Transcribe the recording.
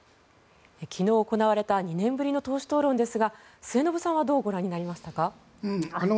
昨日、行われた２年ぶりの党首討論ですが末延さんはどうご覧になりましたか？